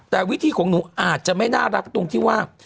แต่วิธีของหนูอาจจะไม่น่ารักตรงที่ว่า